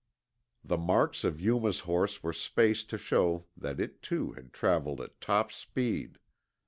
The marks of Yuma's horse were spaced to show that it too had traveled at top speed.